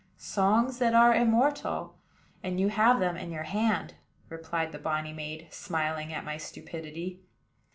"Songs that are immortal; and you have them in your hand," replied the bonny maid, smiling at my stupidity.